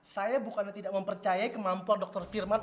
saya bukan tidak mempercaya kemampuan dokter firman